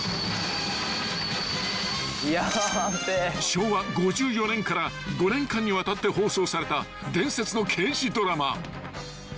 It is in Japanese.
［昭和５４年から５年間にわたって放送された伝説の刑事ドラマ］